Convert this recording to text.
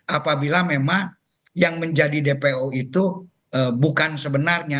apabila memang yang menjadi dpo itu bukan sebenarnya